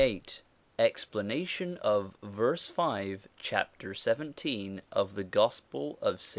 XXVIII EXPLANATION OF VERSE FIVE, CHAPTER SEVENTEEN, OF THE GOSPEL OF ST.